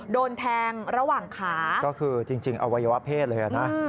โดนแทงระหว่างขาก็คือจริงอวัยวะเพศเลยนะ